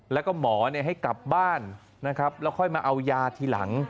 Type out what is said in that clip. แล้วก็หมอให้กลับบ้านนะครับแล้วค่อยมาเอายาทีหลัง